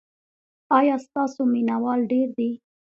ایا ستاسو مینه وال ډیر دي؟